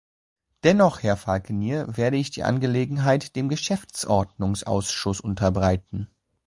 Dennoch, Herr Falconer, werde ich die Angelegenheit dem Geschäftsordnungsausschuss unterbreiten.